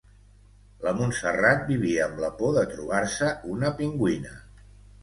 La Montserrat vivia amb la por de trobar-se una pingüina.